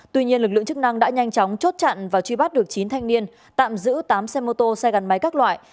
tuy nhiên lực lượng chức năng đã nhanh chóng chốt chặn và truy bắt được chín thanh niên tạm giữ tám xe mô tô xe gắn máy các loại